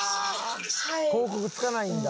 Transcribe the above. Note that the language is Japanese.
広告つかないんだ。